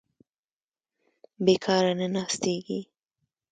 بېکاره نه ناستېږي.